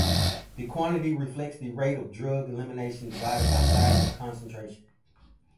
The quantity reflects the rate of drug elimination divided by plasma concentration.